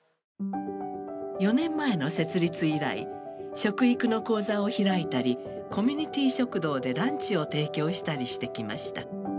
４年前の設立以来食育の講座を開いたりコミュニティ食堂でランチを提供したりしてきました。